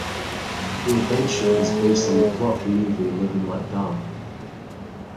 The adventure is based on the plot of the movie "Live and Let Die".